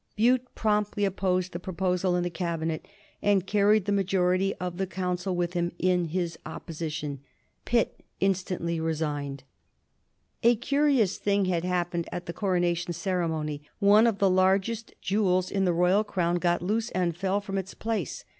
Bute promptly opposed the proposal in the Cabinet, and carried the majority of the Council with him in his opposition. Pitt instantly resigned. [Sidenote: 1761 Pitt's probity] A curious thing had happened at the coronation ceremony. One of the largest jewels in the royal crown got loose and fell from its place.